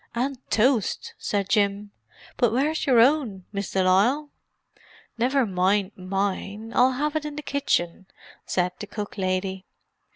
"And toast!" said Jim. "But where's your own, Miss de Lisle?" "Never mind mine—I'll have it in the kitchen," said the cook lady.